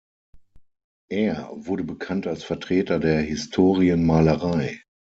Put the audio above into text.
Er wurde bekannt als Vertreter der Historienmalerei.